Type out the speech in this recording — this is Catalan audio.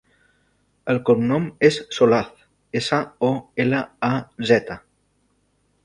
El cognom és Solaz: essa, o, ela, a, zeta.